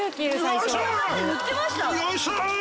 よいしょ！